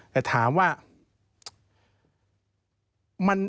แต่ถามว่า